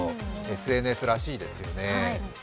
ＳＮＳらしいですけどね。